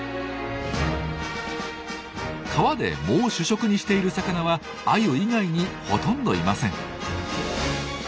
川で藻を主食にしている魚はアユ以外にほとんどいません。